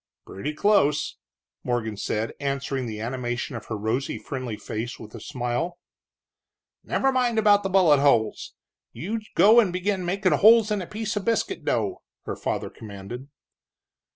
"Pretty close," Morgan said, answering the animation of her rosy, friendly face with a smile. "Never mind about bullet holes you go and begin makin' holes in a piece of biscuit dough," her father commanded.